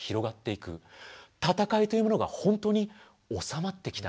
戦いというものが本当に収まってきた。